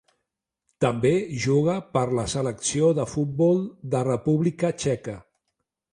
També juga per la Selecció de futbol de República Txeca.